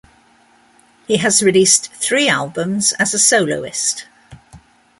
He has released three albums as a soloist.